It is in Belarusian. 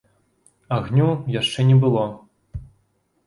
Агню яшчэ не было.